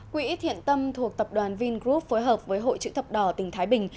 quỹ thiện tâm thuộc tập đoàn vingroup phối hợp với hội chữ thập đỏ tỉnh thái bình